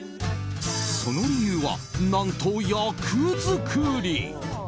その理由は、何と役作り。